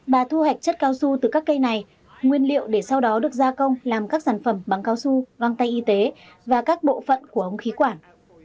bà thu hạch chất cao su từ các cây này nguyên liệu để sau đó được gia công làm các sản phẩm bằng cao su vang tay y tế và các bộ phận của ống khí quản